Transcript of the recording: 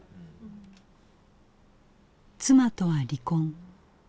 妻とは離婚。